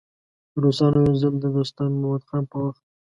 روسانو یو ځل د دوست محمد خان په وخت.